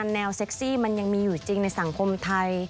แนวเซ็กซี่มันยังมีอยู่จริงในสังคมไทย